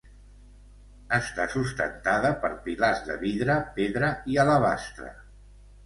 Està sustentada per pilars de vidre, pedra i alabastre.